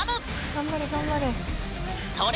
頑張れ頑張れ！